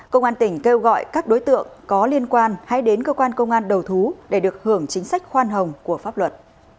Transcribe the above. công an tỉnh kêu gọi các đối tượng có liên quan hãy đến cơ quan công an đầu thú để được hưởng chính sách khoan hồng của pháp luật